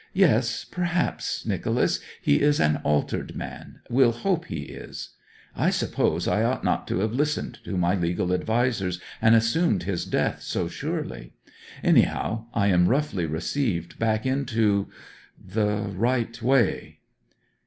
'Yes, perhaps, Nicholas, he is an altered man we'll hope he is. I suppose I ought not to have listened to my legal advisers, and assumed his death so surely! Anyhow, I am roughly received back into the right way!'